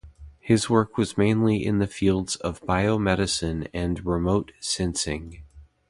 His work was mainly in the fields of bio-medicine and remote sensing.